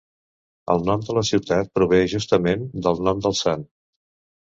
El nom de la ciutat prové, justament, del nom del sant.